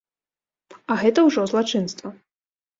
А гэта ўжо злачынства.